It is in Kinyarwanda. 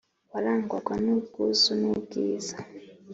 warangwaga n’ubwuzu n’ubwiza